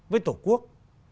với tổ quốc